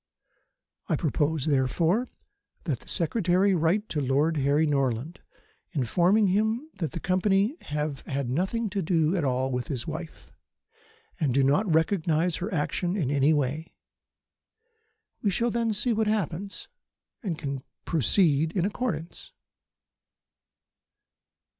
"I propose, therefore, that the Secretary write to Lord Harry Norland, informing him that the Company have had nothing at all to do with his wife, and do not recognise her action in any way. We shall then see what happens, and can proceed in accordance."